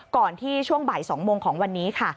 ก่อนที่ช่วงบ่าย๒โมงของวันนี้ค่ะ